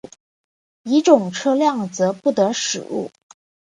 乙种车辆则不得驶入。